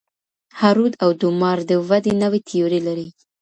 هارود او دومار د ودي نوي تیوري لري.